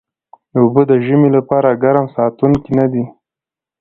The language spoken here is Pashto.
اوبه د ژمي لپاره ګرم ساتونکي نه دي